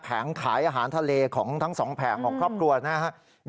ขายอาหารทะเลของทั้งสองแผงของครอบครัวนะครับ